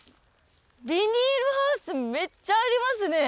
ビニールハウスめっちゃありますね。